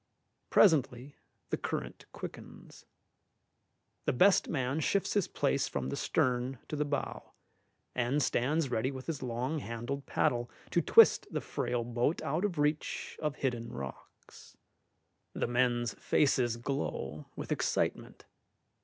Presently the current quickens. The best man shifts his place from the stern to the bow, and stands ready with his long handled paddle to twist the frail boat out of reach of hidden rocks. The men's faces glow with excitement.